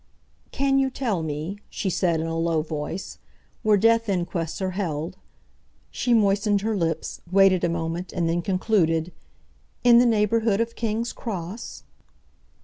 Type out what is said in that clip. "Can you tell me," she said, in a low voice, "where death inquests are held"—she moistened her lips, waited a moment, and then concluded—"in the neighbourhood of King's Cross?"